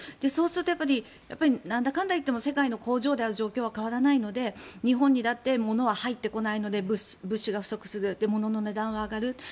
そうするとなんだかんだ言っても世界の工場である状況は変わらないので、日本にだって物は入ってこないので物資が不足する物の値段は上がる。